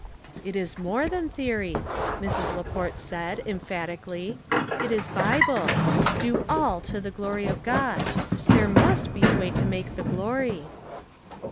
" It is more than theory," Mrs. Laport said, emphatically. "It is Bible. 'Do all to the glory of God.* There must be a way to make the glory."